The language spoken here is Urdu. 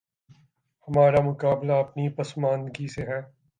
ہمارا مقابلہ اپنی پسماندگی سے ہے۔